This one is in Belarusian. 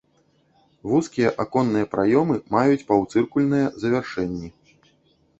Вузкія аконныя праёмы маюць паўцыркульныя завяршэнні.